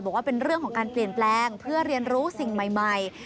บอกว่าเป็นเรื่องของการเปลี่ยนแปลงเพื่อเรียนรู้สิ่งใหม่